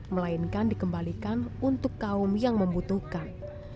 melainkan dikembalikan untuk kaum yang membutuhkan